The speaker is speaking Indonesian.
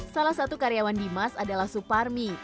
salah satu karyawan di mas adalah suparmi